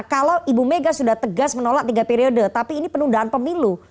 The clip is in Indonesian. kalau ibu mega sudah tegas menolak tiga periode tapi ini penundaan pemilu